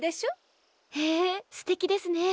へえすてきですね。